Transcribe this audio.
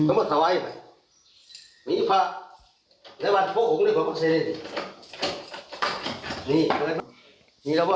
ต้องวิถีมีพัก